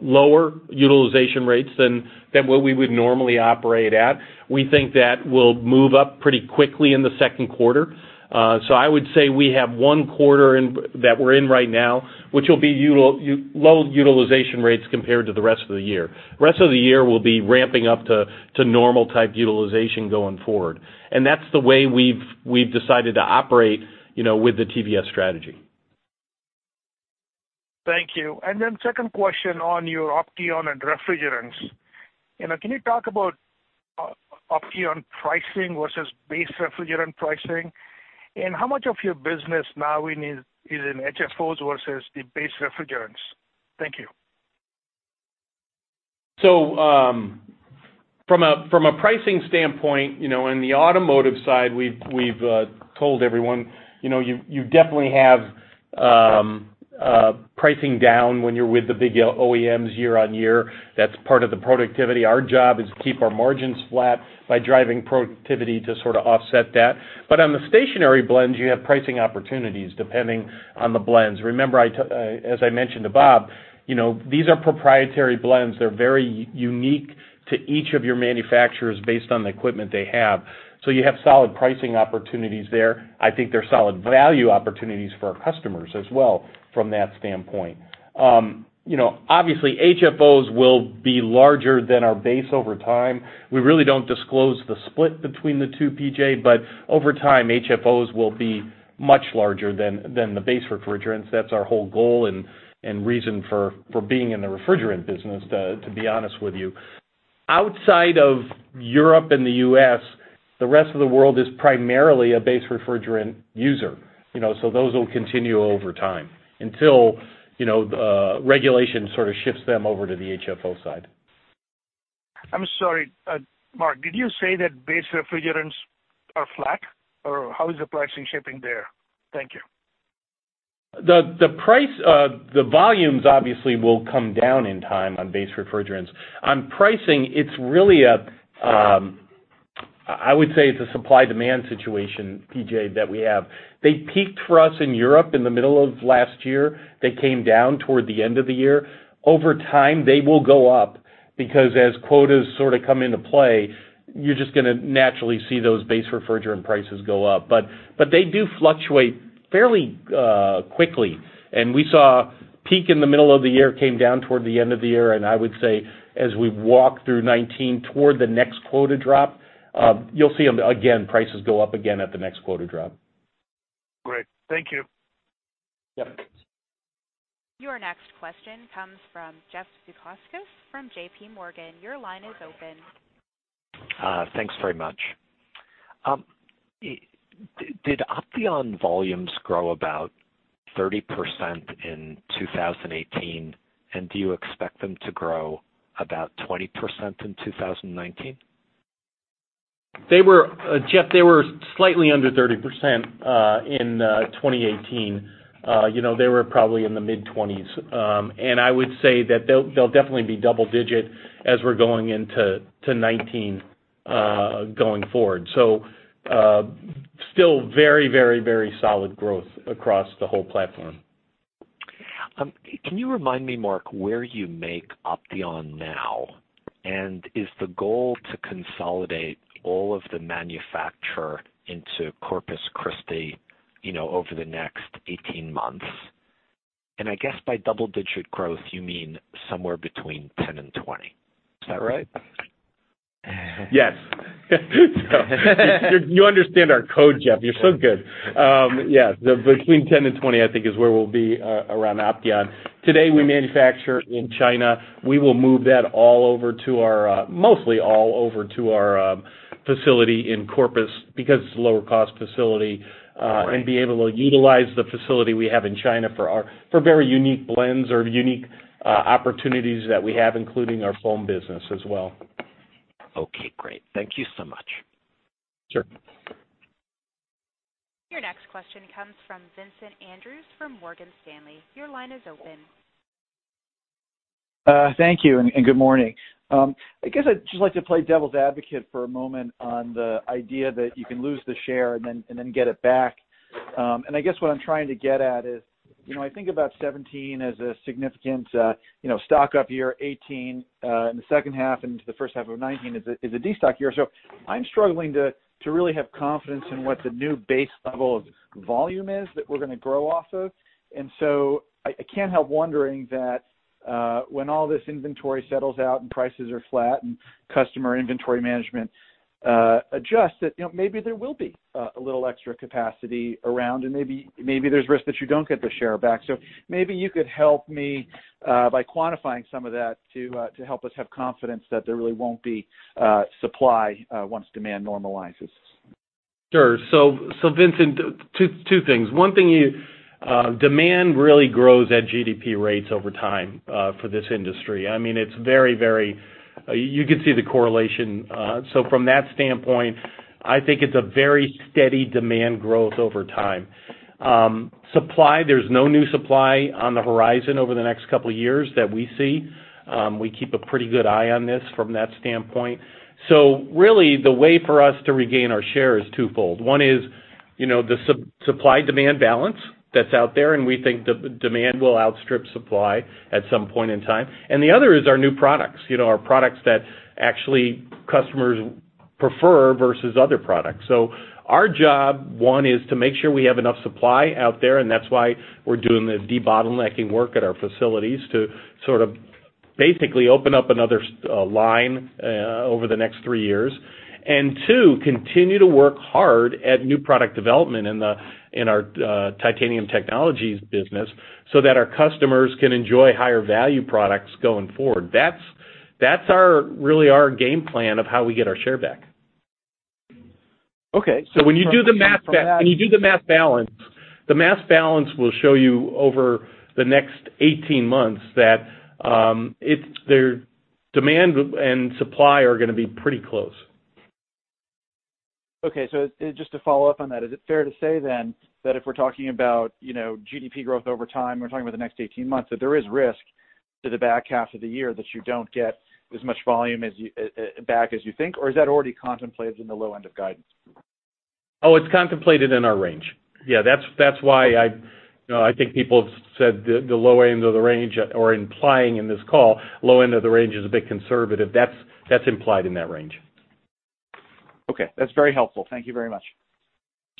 lower utilization rates than what we would normally operate at. We think that we'll move up pretty quickly in the second quarter. I would say we have one quarter that we're in right now, which will be low utilization rates compared to the rest of the year. Rest of the year will be ramping up to normal type utilization going forward. That's the way we've decided to operate with the TVS strategy. Thank you. Then second question on your Opteon and refrigerants. Can you talk about Opteon pricing versus base refrigerant pricing? How much of your business now is in HFOs versus the base refrigerants? Thank you. From a pricing standpoint, in the automotive side, we've told everyone you definitely have pricing down when you're with the big OEMs year-over-year. That's part of the productivity. Our job is to keep our margins flat by driving productivity to sort of offset that. On the stationary blends, you have pricing opportunities depending on the blends. Remember, as I mentioned to Bob, these are proprietary blends. They're very unique to each of your manufacturers based on the equipment they have. You have solid pricing opportunities there. I think they're solid value opportunities for our customers as well from that standpoint. Obviously, HFOs will be larger than our base over time. We really don't disclose the split between the two, PJ, but over time, HFOs will be much larger than the base refrigerants. That's our whole goal and reason for being in the refrigerant business, to be honest with you. Outside of Europe and the U.S., the rest of the world is primarily a base refrigerant user. Those will continue over time until regulation sort of shifts them over to the HFO side. I'm sorry, Mark, did you say that base refrigerants are flat? How is the pricing shaping there? Thank you. The volumes obviously will come down in time on base refrigerants. On pricing, I would say it's a supply/demand situation, PJ, that we have. They peaked for us in Europe in the middle of last year. They came down toward the end of the year. Over time, they will go up because as quotas sort of come into play, you're just going to naturally see those base refrigerant prices go up. They do fluctuate fairly quickly. We saw peak in the middle of the year, came down toward the end of the year, and I would say as we walk through 2019 toward the next quota drop, you'll see them again, prices go up again at the next quota drop. Great. Thank you. Yep. Your next question comes from Jeff Zekauskas from JPMorgan. Your line is open. Thanks very much. Did Opteon volumes grow about 30% in 2018? Do you expect them to grow about 20% in 2019? Jeff, they were slightly under 30% in 2018. They were probably in the mid-20s. I would say that they'll definitely be double-digit as we're going into 2019 going forward. Still very solid growth across the whole platform. Can you remind me, Mark, where you make Opteon now? Is the goal to consolidate all of the manufacture into Corpus Christi over the next 18 months? I guess by double-digit growth, you mean somewhere between 10% and 20%. Is that right? Yes. You understand our code, Jeff. You're so good. Yeah, between 10% and 20%, I think is where we'll be around Opteon. Today we manufacture in China. We will move mostly all over to our facility in Corpus because it's a lower cost facility- Right Be able to utilize the facility we have in China for very unique blends or unique opportunities that we have, including our foam business as well. Okay, great. Thank you so much. Sure. Your next question comes from Vincent Andrews from Morgan Stanley. Your line is open. Thank you, and good morning. I guess I'd just like to play devil's advocate for a moment on the idea that you can lose the share and then get it back. I guess what I'm trying to get at is, I think about 2017 as a significant stock up year, 2018 in the second half into the first half of 2019 is a de-stock year. I'm struggling to really have confidence in what the new base level of volume is that we're going to grow off of. I can't help wondering that when all this inventory settles out and prices are flat and customer inventory management adjusts, that maybe there will be a little extra capacity around, and maybe there's risk that you don't get the share back. Maybe you could help me by quantifying some of that to help us have confidence that there really won't be supply once demand normalizes. Sure. Vincent, two things. One thing, demand really grows at GDP rates over time for this industry. You can see the correlation. From that standpoint, I think it's a very steady demand growth over time. Supply, there's no new supply on the horizon over the next couple of years that we see. We keep a pretty good eye on this from that standpoint. Really, the way for us to regain our share is twofold. One is, the supply-demand balance that's out there, and we think demand will outstrip supply at some point in time. The other is our new products. Our products that actually customers prefer versus other products. Our job, one, is to make sure we have enough supply out there, that's why we're doing the debottlenecking work at our facilities to basically open up another line over the next three years. Two, continue to work hard at new product development in our Titanium Technologies business so that our customers can enjoy higher value products going forward. That's really our game plan of how we get our share back. Okay. When you do the mass balance, the mass balance will show you over the next 18 months that demand and supply are going to be pretty close. Okay. Just to follow up on that, is it fair to say then that if we're talking about GDP growth over time, we're talking about the next 18 months, that there is risk to the back half of the year that you don't get as much volume back as you think, or is that already contemplated in the low end of guidance? It's contemplated in our range. That's why I think people have said the low end of the range or implying in this call, low end of the range is a bit conservative. That's implied in that range. Okay. That's very helpful. Thank you very much.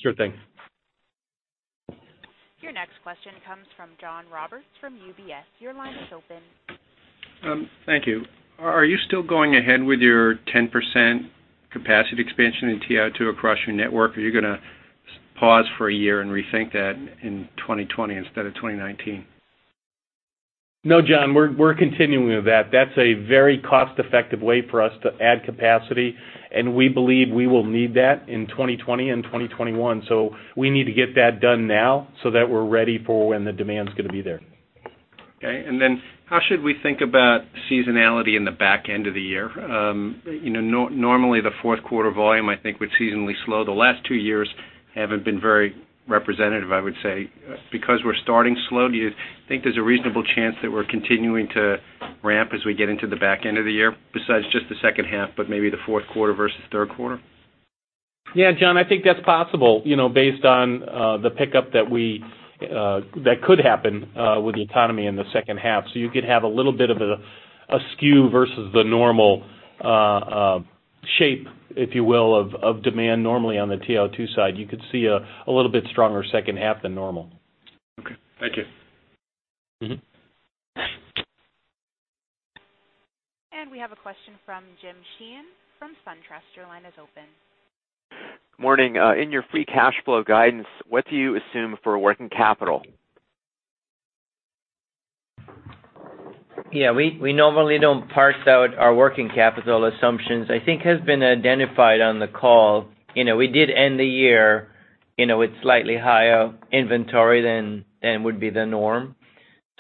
Sure thing. Your next question comes from John Roberts from UBS. Your line is open. Thank you. Are you still going ahead with your 10% capacity expansion in TiO2 across your network? Are you going to pause for a year and rethink that in 2020 instead of 2019? No, John. We're continuing with that. That's a very cost-effective way for us to add capacity, and we believe we will need that in 2020 and 2021. We need to get that done now so that we're ready for when the demand's going to be there. Okay. How should we think about seasonality in the back end of the year? Normally the fourth quarter volume, I think, would seasonally slow. The last two years haven't been very representative, I would say. Because we're starting slow, do you think there's a reasonable chance that we're continuing to ramp as we get into the back end of the year besides just the second half, but maybe the fourth quarter versus third quarter? Yeah, John, I think that's possible based on the pickup that could happen with the economy in the second half. You could have a little bit of a skew versus the normal shape, if you will, of demand normally on the TiO2 side. You could see a little bit stronger second half than normal. Okay. Thank you. We have a question from James Sheehan from SunTrust. Your line is open. Morning. In your free cash flow guidance, what do you assume for working capital? We normally don't parse out our working capital assumptions. I think has been identified on the call. We did end the year with slightly higher inventory than would be the norm.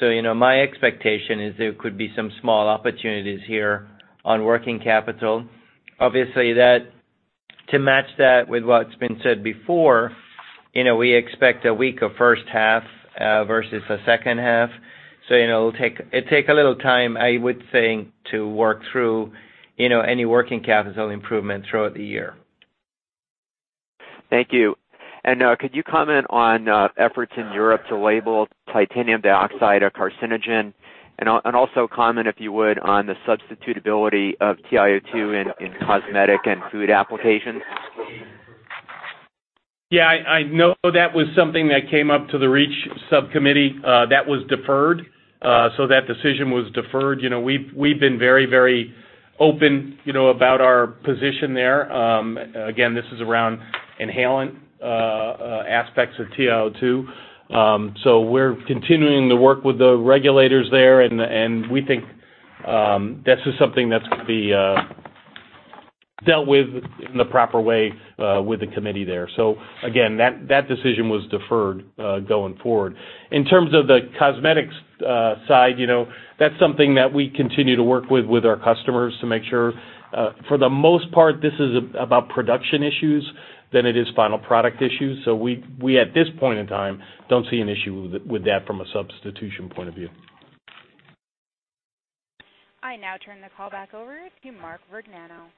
My expectation is there could be some small opportunities here on working capital. Obviously, to match that with what's been said before, we expect a weaker first half versus a second half. It takes a little time, I would think, to work through any working capital improvements throughout the year. Thank you. Could you comment on efforts in Europe to label titanium dioxide a carcinogen? Also comment, if you would, on the substitutability of TiO2 in cosmetic and food applications. Yeah, I know that was something that came up to the REACH subcommittee. That was deferred. That decision was deferred. We've been very open about our position there. Again, this is around inhalant aspects of TiO2. We're continuing to work with the regulators there, and we think this is something that's going to be dealt with in the proper way with the committee there. Again, that decision was deferred going forward. In terms of the cosmetics side, that's something that we continue to work with our customers to make sure. For the most part, this is about production issues than it is final product issues. We, at this point in time, don't see an issue with that from a substitution point of view. I now turn the call back over to Mark Vergnano.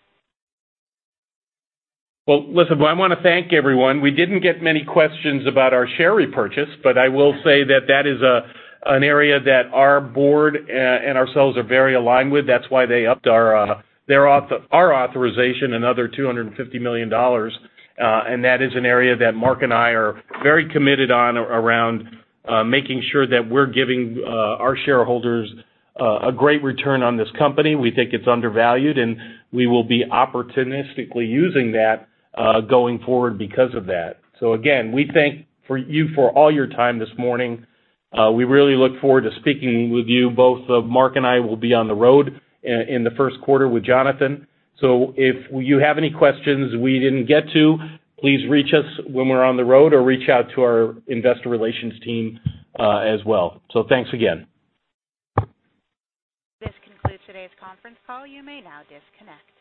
Well, listen, I want to thank everyone. We didn't get many questions about our share repurchase, I will say that that is an area that our board and ourselves are very aligned with. That's why they upped our authorization another $250 million. That is an area that Mark and I are very committed on around making sure that we're giving our shareholders a great return on this company. We think it's undervalued, we will be opportunistically using that going forward because of that. Again, we thank you for all your time this morning. We really look forward to speaking with you both. Mark and I will be on the road in the first quarter with Jonathan. If you have any questions we didn't get to, please reach us when we're on the road or reach out to our investor relations team as well. Thanks again. This concludes today's conference call. You may now disconnect.